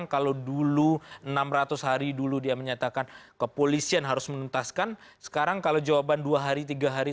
kami akan segera kembali